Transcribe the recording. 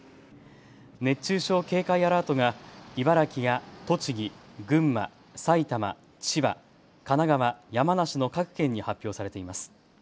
熱中症警戒アラートが茨城や栃木、群馬、埼玉、千葉、神奈川、山梨の各県に発表されています。